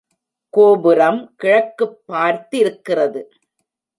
கோபுரம் கிழக்குப் பார்த்திருக்கிறது.